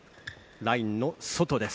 ラインの外です。